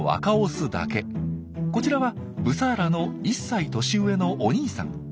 こちらはブサーラの１歳年上のお兄さん。